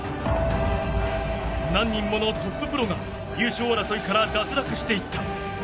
何人ものトッププロが優勝争いから脱落していった。